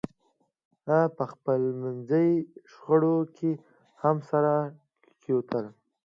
په خپلمنځي شخړو کې هم سره کېوتل.